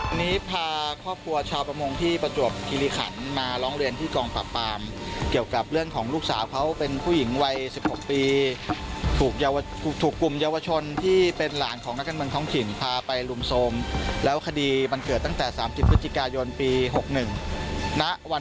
วันนี้พาครอบครัวชาวประมงที่ประจวบคิริขันมาร้องเรียนที่กองปราบปรามเกี่ยวกับเรื่องของลูกสาวเขาเป็นผู้หญิงวัย๑๖ปีถูกกลุ่มเยาวชนที่เป็นหลานของนักการเมืองท้องถิ่นพาไปลุมโทรมแล้วคดีมันเกิดตั้งแต่๓๐พฤศจิกายนปี๖๑ณวัน